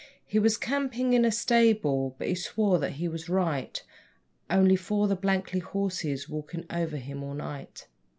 He was campin' in a stable, but he swore that he was right, 'Only for the blanky horses walkin' over him all night.'